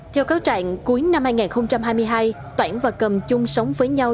theo cáo trạng cuối năm hai nghìn hai mươi hai toãn và cầm chung sống với nhau